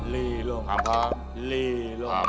เขาก็หลับ